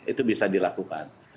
itu bisa dilakukan